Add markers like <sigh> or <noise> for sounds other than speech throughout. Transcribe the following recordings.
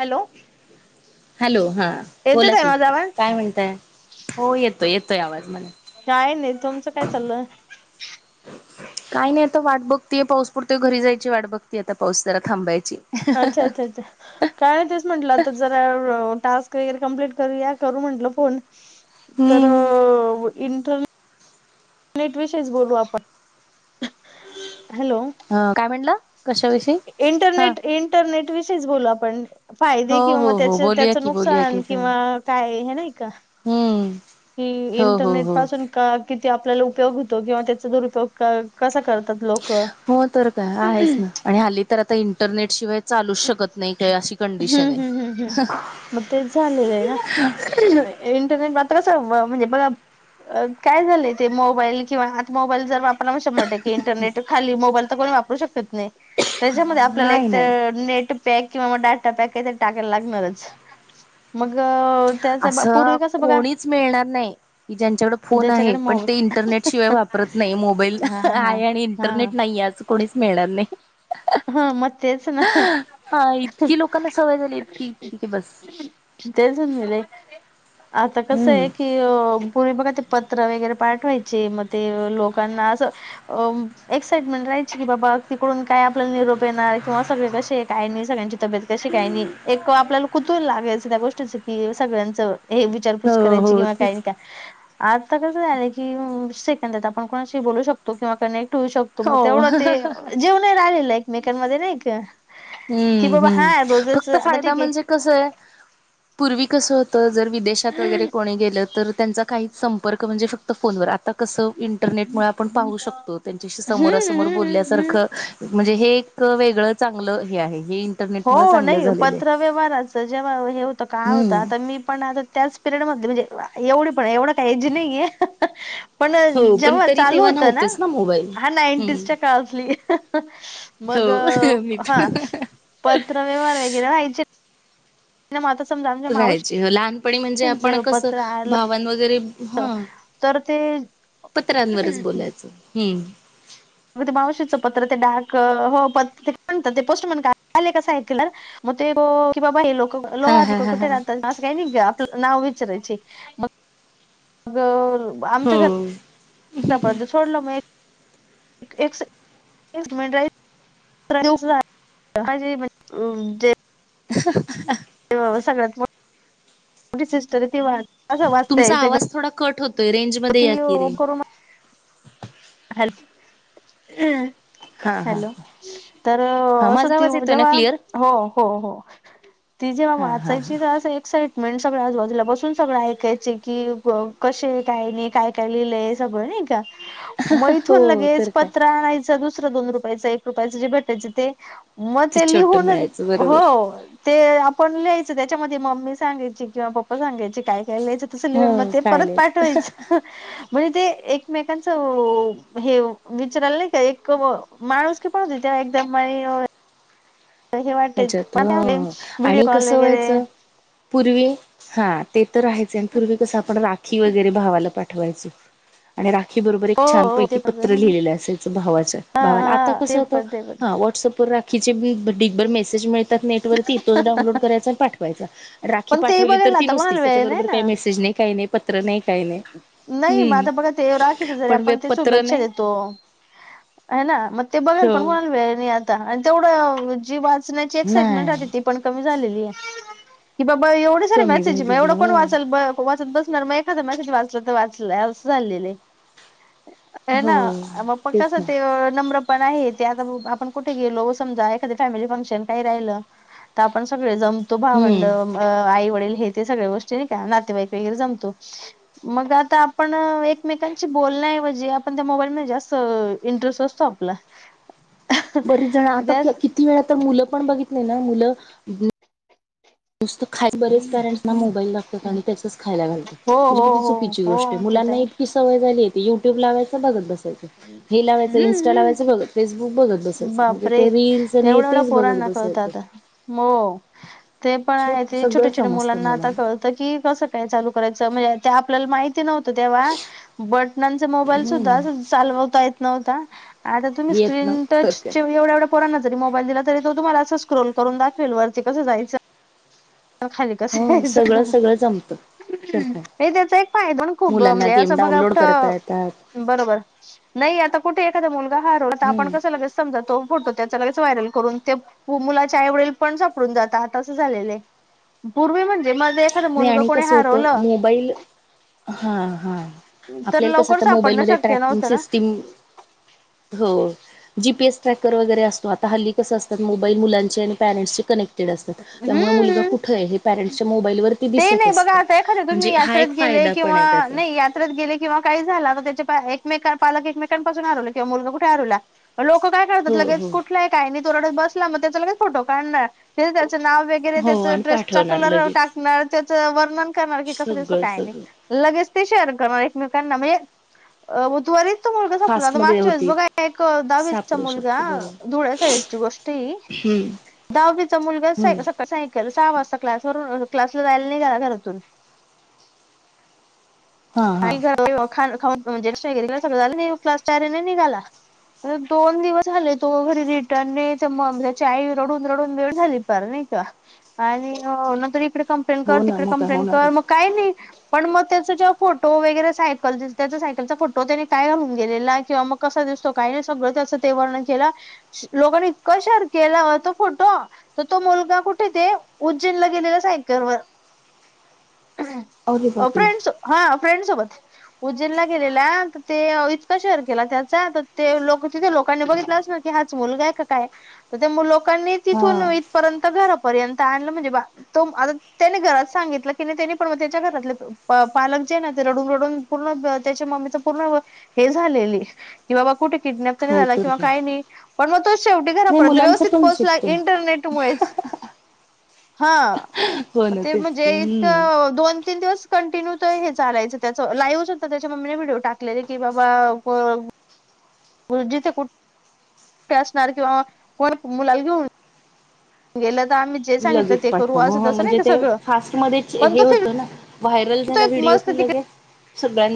Hello hello हा येतोय बोला ताई की माझा आवाज काय म्हणतय हो येतोय येतो आवाज मला. काय नाही तुमचं काय चाललंय काही नाही आता वाट बघतीय पाऊस पुरते घरी जायची वाट बघती आता पाऊस जरा थांबायची अच्छा अच्छा अच्छा काय नाही तेच म्हंटलं आता जरा टास्क वगैरे कंप्लीट करू या करू म्हंटल फोन तर हम्म तर इंटरने नेट विषयीच बोलू आपण हॅलो ह काय म्हणलं इंटरनेट इंटरनेट विषयच बोलू आपण हो फायदे किंवा हो मग हो त्या बोलूया त्याच की बोलूया की नुकसान सर किंवा काय नाही हम्म. कि हो हो इंटरनेट हो पासून का किती आपल्याला उपयोग होतो किंवा त्याचा दुरुपयग कसा करतात लोक हो तर काय आहेच हम्म ना आणि हली तर आता इंटरनेटशिवाय हम्म हम्म हम्म हम्म मग तेच झालेलं आहे ना इंटरनेट मात म्हणजे बघ काय झालं ते मोबाईल किंवा आता मोबाईल जर आपला शंभर टेक इंटरनेट खाली मोबाईल तर को वापरू शकत नाही त्याच्यामध्ये आपल्याला नाही एक नाही नेट पॅक किंवा ाटा पॅक का टाकायला लागणार मग त्याच असं पूर्वी कसं बघा कोणीच मिळणार नाही की ज्यांच्याकडे फोन आहे ज्याच्याकडे पण मोबाईल ते इंटरनेटशिवाय वापर त नाही मोबाईल हा हा आहे आणि हा इंटरनेट नाही अस कोणीच मिळणार नाही हा मत्स ना हा इतकी लोकांना सवय झाली इतकी इतकी की बस <unintelligible> आता कसं हम्म आहे कि पूर्वी बघा ते पत्र वगैरे पाठवायचे मग ते लोकांना असं एक्साइटमेंट राहायची की बाबा <unintelligible> काय निरोप येणार किंवा सगळे कसे काही नाही सगळ्यांची तब्येत कशी काही नाही आपल्याला तू लागायच त्या गोष्टीचं कि सगळ्यांचं हे विचारपूस हो करायची हो किंवा तेच काही नाही का आता कसं झालं की आप कोणाशी बू शकतो किंवा कनेक्ट होऊ शकतो मग हो तेवढ ते जेव राहिले मेकांमध्ये नाही का की हम्म बाबा हा हम्म रोजच फक्त आता फायदा ठीक आहे म्हणजे कस आहे पूर्वी कसं होत तर जर विदेशात वगैरे कोणी गेलं तर त्यांचा काहीच संपर्क म्हणजे फक्त फोनवर आता कसं इंटरनेटमुळे आपण पाहू शकतो त्यांच्याशी हम्म समोरासमोर हम्म हम्म बोलल्यासारखं म्हणजे हे एक वेग वेगळं चांगलं हे आहे हे हो इंटरनेटमुळे चांगलं नाही झालेलं पत्र आहे. व्यवहाराच जेव्हा हे होतं का होतं हम्म. आता मी पण आता त्याच पिरियड मध म्हणजे एवढ पण एवढ पण हो जे पण तरी तेव्हा चालूत नव्हतेच ना मोबाईल. ह हम्म. मग हो मी हा पण पत्र व्यवहार वगरे रा मझ रायची लहानपणी म्हणजे आपण कसं पत्र आलं भावन वगैरे हा तर ते पत्रांवरच बोलायचं हम्म मग ते मावशीचं पत्र ते डाक हो पत्र ते म्हणत ते पोस्ट म्हण आले कस आहे म कि बा हे लो हा लोहार हा हा कुठे हा. राहतात असं काही नाही आपलं नाव विचारयचेघ मग अ आमच्या हो घरापर्यंत सोडलं मग ए एक्स <unintelligible> <unintelligible> <inaudible> अ सगळ्यात मोठी सिस्टर आहे ती वा अस वाचता तुमचा येते आवाज <unintelligible> थोडा कट होतोय रेंज अ मध्ये ती या अ की रे. करोना हेल हा हा हॅलो! तर हा असं माझा ती आवाज येतोय ना जेव्हा क्लिअर हो हो हो. ती जेव्हा हा हा वाचायची हा ना तर एकसाइट मेंट सगळं आजुबाजूला बसून सगळं ऐकायची की कसे काय नाही, काय काय लिहिलंय सगळं नाय. नाय का म इथून हो लगेच तर काय पत्र आणायचं दुसर दोन रुपयाचा, एक रुपयाच जे भेटायचे ते. मग ती ते छोट लिहून मिळायचं हो बरोबर ते आपण लिहायचं. त्याच्यामध्ये मम्मी सांगयची किंवा पप्पा सांगयची काय? काय लिहायचं तसं लिहून मग हो ते परत कायलाच पाठवायचं म्हणजे ते एकमेकांचं हे विचारायला नाही का, एक माणूस की पडते त्या एकदम हे वाटायच हच्यात व्हिडिओ आणि कॉल कसं वगैरे व्हायचं? पूर्वी हा ते तर आहेचं, आणि पूर्वी कसं आपण राखी वगैरे भावाला पाठवायचो. आणि रा राखी बरोबर एक हो छान हो ते पैकी पण पत्र लिहिलेलं असायचं, भावाचं हा भावाला आता हा ते कसं ब पण ते पण हा व्हॉट्सअप वर राखी <unintelligible> ढिगभर मेसेज मिळतात नेट वरती तोच डाउनलोड करायचा, आणि पाठवायचा राखी पण तेही पाठवली तर बघायला ती आता कोणाला नुसतीचं वेळ नाही त्याच्याबरोबर ना काय मेसेज नाही काय नाय. काय नाही पत्र नाही. काही नाही नाही म हम्म आता बघा ते राखच जरी पण आपण ते बेलपत्र शुभेच्छा नाही देतो. ह ना मग ते बघाल पण हो. <unintelligible> आत. आणि तेवढ जी वाचण्याची एक स्टेटमेंट नाही. राहती ती पण कमी झालेली ये ब एवढे सर कमी मेसेज झालेली एवढं कोण हो. वाचाल वाचत बसणार मग एखादा मेसेज वाचलं तर वाचलंय असं झालेलं ये. ह ना हो आ तेच ना. पक्कासाठी नम्र पण आहे ते आ आपण कुठे गेलो समजा एखाद फॅमिली फंक्शन काही राहिलं तर आपण एक वेळ जाऊन तो भावंड, हम्म. आई, वडील हे ते सगळ्या गोष्टी नाही का नातेवाईक वगैरे जमतो. मग जा आता आपण एकमेकांशी बोलण्याऐवजी, आपण त्या मोबाईलमध्ये जास्त इंटरेस्ट असतो. आपला. बरीच जण आता जास्त किती वेळा तर मुलं पण बघितली ना मुलं? <unintelligible> बईल दाखवता आणि तसेच खायला घालतात, हो म्हंजे हो किती हो चुकीची गोष्ट आहे? हो ते तर मुलांना इतकी सवय झाली ए ते युट्यूब लावायच बघत बसायचं हे लावायच हम्म इंस्टा लावायचं हम्म बघत फेसबुक बघत बसायच म्हणजे बापरे ते रीलस आणि तेवढ्या एवढ्या तेच बघत पोरांना कळत बसायचं. आता हो. ते पण हाये. छोट ते सगळं छोट्या- छोटया समजतं मुलांना आता कळतं, की कसं काय चालू करायचं? म्हणजे ते आपल्याला माहि ती नव्हतं, तेव्हा बटनांचा मोबाईल सुद्धा चालवता येत नव्हता. आता तुम्ही येत स्क्रीन ना तर टच काय. ची एवढं- एवढ पोरांना, जरी मोबाईल दिला, तरी तो तुम्हाला असं, स्क्रोल करून दाखवेल वरती कसं जायचं. अ खाली कसं हो सगळं यायचं ग सगळं जमतं तर काय. <unintelligible> हे त्याचा एक फायदा खूप मुलांना म्हणजे गेम असं बघ डाउनलोड करता येतात. असं बरोबर. नाही, आता कुठे एखादा मुलगा हरवला, तर आपण हम्म. कसं, लगेच समजा तो फोटो त्याचा लगेच - स व्हायरल करून ठेव, ते मुलाचे आई वडील पण सापडून जातात, आसं झालेलं ए पूर्वी म्हंजे नाही आणि कस होतं? मोबाईल हा हा. तर आपल्याला कसं लवकर आता सापडणं मोबाईलमध्ये शक्य ट्रॅकिंग नव्हतं ना. सिस्टीम. हो. जीपीएस ट्रॅकर वगैरे असतो. आता हल्ली कस असतं? मोबाईल मुलांशी आणि पॅरेंन्टसशी कनेक्ट केला जातो, त्यामुळे मुलगा हम्म कुठए हे पॅरेट्सच्या मोबाइलवर ते नाही बघा, आता एखाद्या तुम्ही यात्रेत गेले फायदा पण किंवा आहे त्याचा नाही यात्रेत गेले काही झाला म त्याचे पाय एकमेका पालक एकमेकांपासून हरवले किंवा मुलगा कुठे हरवला लोकं काय करतात? हो लगेच हो कुठलाही काय आन तो रडत बसला मग, त्याचा लगेच फोटो काढणार तेच त्या च नाव वगेरे, हो त्याच आणि ड्रेस चा पाठवणार कलर अ लगेच. टाक <unintelligible> ते सगळं सगळं शेअर करणार एकमेकांना म्हणजे उ त्वरित तो मुलगा सापडला ना, फास्टमध्ये मागच्या वेळेस होती बघा एक दहावीचा सापडू मुलगा शकते बरोबर धुळ्या साईडची गोष्टए ही हम्म दहावीचा हम्म मुलगाचं सका सायकल सहा वाजता क्लास वरून अ क्लासला जायाला नाही घरातून. हां <unintelligible> हां. क्लासच्या <unintelligible> निघाला. आता दोन दिवस झाले तो घरी रिटर्न नाही येते, मघ त्याची आई रडून रडून <unintelligible> झाली पार. नाही का, आणि अ नंतर इकडे इकडं कम्प्लेन कर हो ना तिकडं मग काय कम्प्लेन कर होणारच म काही नाही पण म त्याचा जाँब फोटो वगैरे सायकल दिसते, त्याच्या सायकलचा फोटो म काय घालून गेलेला, तो कसा दिसतो काय दिसतो त्याचं ते वर्णन केल लोगांनी इतका शेअर केला होता, तो फोटो तो मुलगा कुठ ते ते उज्जैन ला गेलेला, सायकल वर अरे अ बापरे फ्रेंन्ड्स फ्रेंड सोबत उज्जैनला गेलेल्या तर ते इतक्या शहर केल्या त्याच्या तर तिकडचे लोक तिकडनं बघितलं असेल हाच मुलगा आहे की ते काय लोकांनी हा तिथून इथपर्यंत घरा पर्यंत आणलं म्हणजे बासं तो आता तेनी घरात सांगितलं कि नाही तेच्या घरा प पालक जे हे ना ते रडून-रडून पूर्ण त्याच्या मम्मीचं पूर्ण हे झालेली की बाबा कुठे किडनॅप तर नाही हो झाला, किंवा काय काही नाही पण म तो शेवटी नाही घरापर्यंत मुलांचं व्यवस्थित पण पोहोचला, सुटत इंटरनेट मुळेच. हं. हो म ना ते तेच म्हणजे की हम्म इतकं दोन, तीन दिवस कंटिन्यू हे चालायचं त्याचं लाइव्ह चं होता, त्याच्या मम्मीनं व्हिडिओ टाकलेला की बाबा <unintelligible> कुठं असणार किंवा वर मुलाला घेवून गेलंत. लगेच पाठवा हा म्हणजे ते सगळं फास्ट मध्येच पण हे तो होतं ना व्हायरल झाला फिरतोय व्हिडिओ मस्त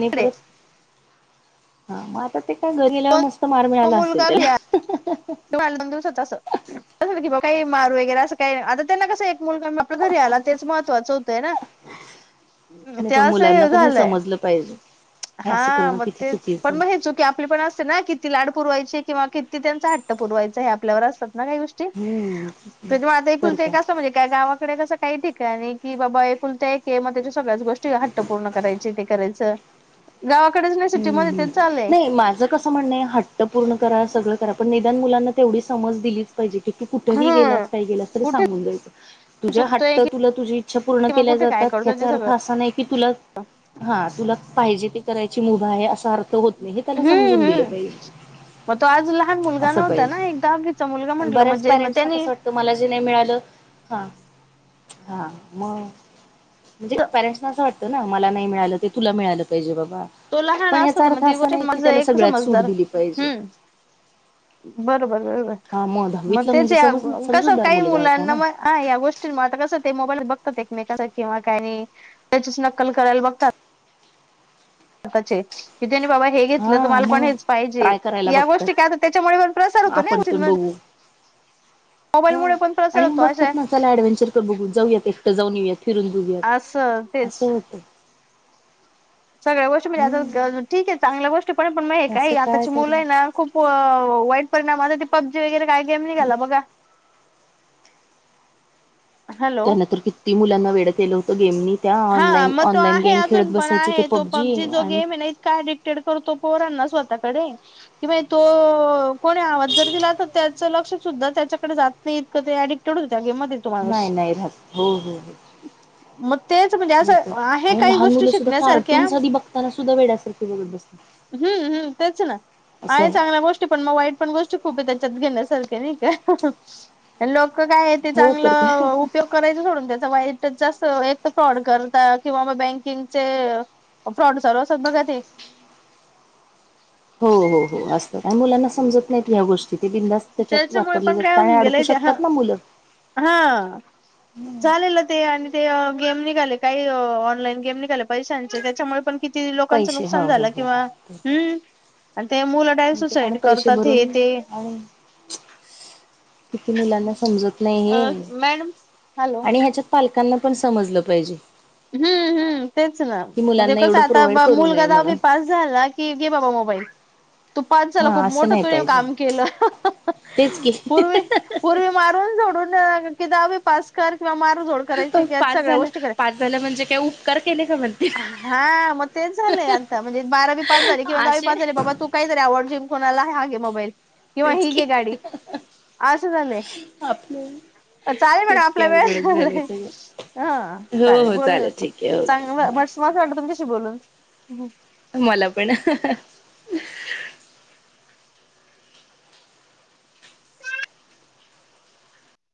तिकडे तो असेल मुलगा घरी त्याला आला <unintelligible> असं कि बा मार वगैरे असं काही, आता तेना कसं एक मुलगा आपला घरी आला, तेच महत्वाचं होतयं ना. नाही ते पण मुलांना असह्य पण हे झालंय. समजलं पाहिजे हे असं हा करणं मग किती तेच चुकीचं पण आहे. मग चूकी आपली पण असते ना किती लाड पुरवायचे किंवा किती त्यांचा हट्ट पुरवायचा हे आपल्यावर असतं. ना काही गोष्टी हम्म तेच म आता तर एकुलतं एक काय असतं म्हणजे गावा कडे कसं काही ठिकाणी की बाबा, एकुलता एक मग त्याच्या सगळ्याच गोष्टी हट्ट पूर्ण करायचे ते करायचं. गावाकडेच नाही हम्म सिटीमध्ये हम्म. तेच चाललंय नाही माझं कसं म्हणये हट्ट पूर्ण करा सगळं करा, पण निदान मुलांना तेवढी समज दिलीच चं पाहिजे कि तु कुठंही गेलास, हम्म काय गेलास तर तु कुठे सांगून जायचं. तुझे चुकतोय हट्ट तुला तुझी इच्छा पुर्ण किंवा केल्या कुठे काय जातात करतोय याचा ते अर्थ सगळं असा नाही की, हा तुला पाहिजे ते करायची मुभा आहे असा अर्थ होत नाही, हे त्याला हम्म समजून दिलं हम्म पाहिजे. मग तो आज लहान मुलगा असं नव्हता ना एक दहावीचा मुलगा पाहिजे म्हंटलं बऱ्याच म्हणजे मग पॅरेंट्सना त्यानी कस वाटत मला जे नाही मिळालं हा हा मग म्हणजे पॅरेंटसना असं वाटतं ना. मला नाही मिळालं तुला मिळालं पाहिजे बाबा. तो लहान पण असतो, याचा म अर्थ ती असा गोष्ट नाही मा की त्याला एक सगळ्यात सूट समजदार दिली पाहिजे. हम्म. बरोबर बरोबर हा मग दहावीतला तेच म्हणजे या समज कस समजूतदार काही मुलगा होता मुलांना ना मग हा या गोष्टी मग आता कसं ते मोबाईल बघतात, एकमेकांचा किंवा काही नाही त्याचीच नक्कल करायला बघतात. आताचे कि ज्यानी बाबा हे घेतलं तर हा मला पण मग हेच पाहिजे, ट्राय करायला या बघतात गोष्टी काय त्याच्यामुळे पण प्रसार होतो आपण पण ना. बघू <unintelligible> हो मोबाईलमुळे पण प्रसार आणि होतो अशा बघतात ना, चला ऍडव्हेंचर कर बघू जाऊयात एकटं जाऊन येऊयात. फिरून असं बऊयात तेच असं होतं सगळ्या गोष्ट म्हजे हम्म आता ठीक आहे चांगल्या गोष्टी पण पण म काही असं काय आताची तरी मुलं आहे ना खूप हो वाईट परिणाम आता ते पब्जी वगैरे काही गेम नाहीघाला बघा हॅलो त्यान तरर किती मुलांना वेळतलं होतं गेमनी त्या ऑनलाईन ऑनलाईन गेम खेळत बसायचे ते पबजी पब्जी जो आणि गेम ना इतका ऍडिक्टेड करतो पोरांना स्वतः कि तो कोणी आवाज जर दिला तर त्याच लक्ष सुद्धा त्याच्याकडे जात नाही डिकटड होत म नाही नाही रा हो हो हो मग तेच म्हणजे नाही असं आहे तर काही लहान गोष्टी मुलं सुद्धा शिकण्यासारख्या कार्टून साध बघताना सुद्धा वेड्यासारखी बघत बसते हम्म हम तेच ना आहे चांगल्या गोष्टी पण मग वाईट पण गोष्टी खूप त्याच्यात घेण्यासारख नाही का लोक काय ते हो तर काय चांगलं उपयोग करायच सोडून त्या जास् एक तर फ्रॉड करता किंवा बँकिंगचे फ्रॉड सर् असत बघा ते हो हो हो असतात का मुलांना समजत नाहीत ह गोष्टी बिंदास त्याच्यात त्याच्यामुळे वापरले पण काय जातात आणि होऊन अडकू गेलंय ते हा शकतात ना मुलं हा झालेलं ते आणि ते गेम निघाले काही ऑनलाईन गेम निघाले पैशांचे त्याच्यामुळे पण किती लोकांच पैसे हो नुकसान हो झालं हो किंवा् ते मुला टा हो. आणि सुसाईड पैसे करतात हे भरून ते आणि किती मुलांना समज नाही अ हे मॅडम हॅलो आणि ह्याच्यात पालकांना पण समजलं पाहिजे हम्म हम् ह तेच ना की म्हणजे मुलांना कसं एवढं प्रोव्हाइड आता करू नये मुलगा दी म्हणून पास झाला की घे बाबा मोबाईल तू पाच झाला हा खूप असं मोठ नाही तु पाहिजे काम केलं तेच की पूर्वी पूर्वी मारून जा सडून की दावी पास कर किंवा मारझोड करायची कि पास सगळ्या झालं गोष्टी कराय पास झालं म्हणजे काय उपकार केले का म्हणते हा मग तेच झालंय आता म्हणजे बारावी पाच झाले असे किंवा ले बाबा तू कायरीवड जिम कोणाला आहेगे मोबाईल किवा तेच ही की ग गाडी आ अस तान आपलं चालेल मणा तेच की आपला वेळ अवघडच झालंय झालाय सगळं हा हो चालेल हो बोलू ठीक आहे चांग ओके मसं वाटलं तुमच्याशी बोलून मला पण